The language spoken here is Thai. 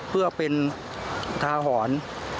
เพื่อเป็นทาหอน